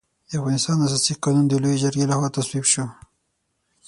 د افغانستان اساسي قانون د لويې جرګې له خوا تصویب شو.